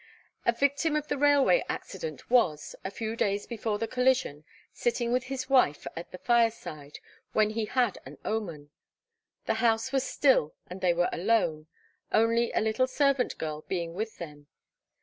A victim of the railway accident was, a few days before the collision, 'sitting with his wife at the fireside, when he had an omen. The house was still, and they were alone, only a little servant girl being with them.